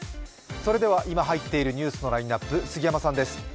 それでは今入っているニュースのラインナップ杉山さんです。